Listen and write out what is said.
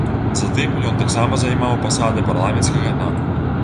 Затым ён таксама займаў пасады парламенцкага нам.